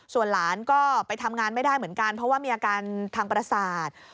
ส่วนหลานก็ไปทำงานไม่ได้เหมือนกันเพราะว่ามีอาการทางประสาท